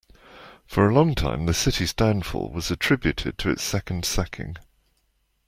For a long time, the city's downfall was attributed to its second sacking.